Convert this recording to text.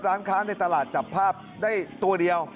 ร้านค้าในตลาดจับภาพได้ตัวเดียว